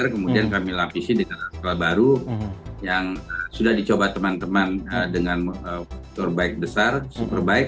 kemudian kami lapisi dengan sekolah baru yang sudah dicoba teman teman dengan turbike besar superbike